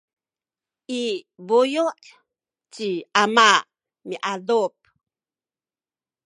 i buyu’ ci ama miadup